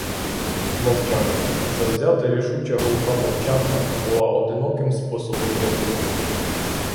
Мовчанка, завзята, рішуча, глуха мовчанка, була одиноким способом рятунку.